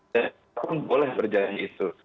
dan boleh berjadi itu